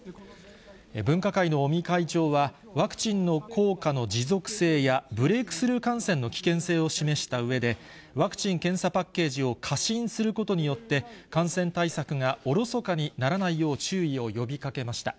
分科会の尾身会長は、ワクチンの効果の持続性やブレークスルー感染の危険性を示したうえで、ワクチン・検査パッケージを過信することによって、感染対策がおろそかにならないよう注意を呼びかけました。